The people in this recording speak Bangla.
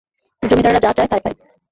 জমিদারেরা যা চায় তাই পায়।